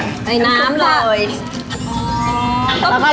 ในน้ำเลย